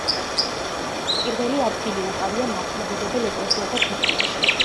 პირველი ადგილი უკავია მართლმადიდებელ ეკლესიათა დიფტიქში.